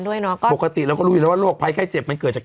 ด้วยเนาะก็ปกติแล้วก็รู้ว่าโรคภัยไข้เจ็บมันเกิดจาก